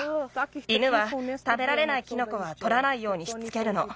犬はたべられないキノコはとらないようにしつけるの。